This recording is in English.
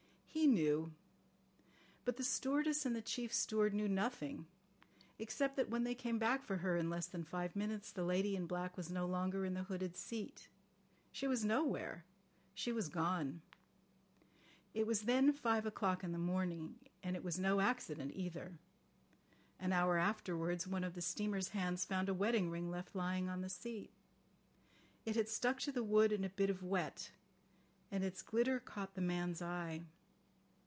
He knew. But the stewardess and the chief steward knew nothing, except that when they came back for her in less than five minutes the lady in black was no longer in the hooded seat. She was nowhere. She was gone. It was then five o'clock in the morning, and it was no accident either. An hour afterwards one of the steamer's hands found a wedding ring left lying on the seat. It had stuck to the wood in a bit of wet, and its glitter caught the man's eye.